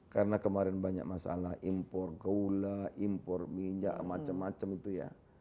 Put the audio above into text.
karena kemarin banyak masalah impor keula impor minyak macam macam itu ya